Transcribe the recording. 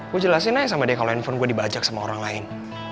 gue jelasin aja sama deh kalau handphone gue dibajak sama orang lain